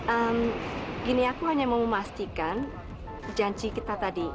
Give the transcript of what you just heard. hmm gini aku hanya mau memastikan janji kita tadi